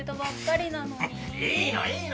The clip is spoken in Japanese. いいのいいの！